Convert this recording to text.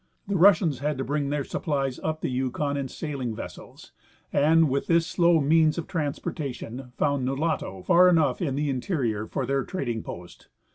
The Russians had to bring their supplies up the Yukon in sailing vessels, and with this slow means of trans portation found Nulato far enough in the interior for their trad ing post.